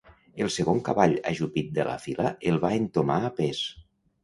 El segon cavall ajupit de la fila el va entomar a pes.